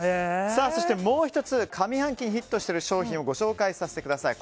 そして、もう１つ上半期にヒットしている商品をご紹介させてください。